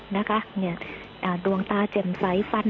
นะคะดวงตาเจ็บสายฟัน